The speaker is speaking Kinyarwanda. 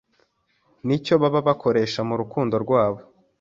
ni cyo baba bakoresha mu rukundo rwabo